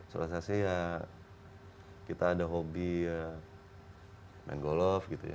sosialisasi ya kita ada hobi ya main golf gitu ya